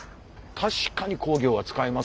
確かに工業は使いますもんね。